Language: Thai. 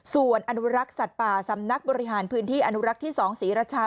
ส่วนอนุรักษ์สัตว์ป่าสำนักบริหารพื้นที่อนุรักษ์ที่๒ศรีรชา